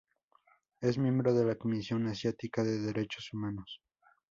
Es miembro de la Comisión Asiática de Derechos Humanos